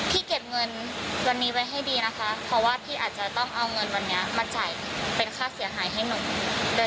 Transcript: เก็บเงินวันนี้ไว้ให้ดีนะคะเพราะว่าพี่อาจจะต้องเอาเงินวันนี้มาจ่ายเป็นค่าเสียหายให้หนู